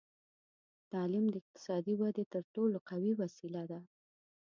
تعلیم د اقتصادي ودې تر ټولو قوي وسیله ده.